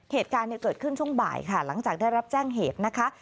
เหตุการณ์เกิดขึ้นช่วงบ่ายค่ะหลังจากได้รับแจ้งเหตุนะคะ